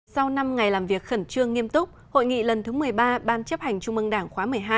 sau năm ngày làm việc khẩn trương nghiêm túc hội nghị lần thứ một mươi ba ban chấp hành trung mương đảng khóa một mươi hai